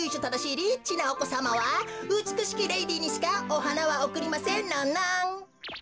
ただしいリッチなおこさまはうつくしきレディーにしかおはなはおくりませんノンノン。